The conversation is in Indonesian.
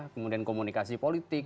kemudian komunikasi politik